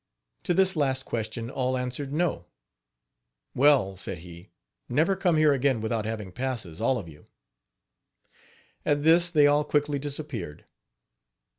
To this last question all answered no. "Well," said he, "never come here again without having passes, all of you." At this they all quickly disappeared.